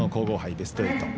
ベスト８。